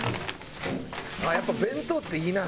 やっぱ弁当っていいな。